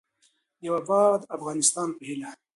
د یوه اباد افغانستان په هیله.